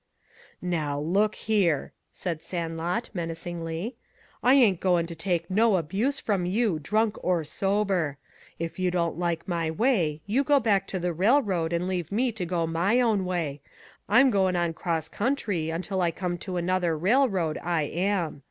"Now, look here!" said Sandlot menacingly. "I ain't goin' to take no abuse from you, drunk or sober. If you don't like my way, you go back to the railroad and leave me go my own way. I'm goin' on across country until I come to another railroad, I am.